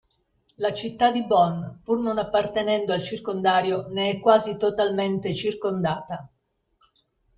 La città di Bonn, pur non appartenendo al circondario, ne è quasi totalmente circondata.